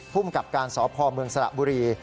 ผู้มกับการสอบพอมเมืองสระบุรี